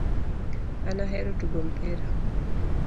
An ahero tugo mpira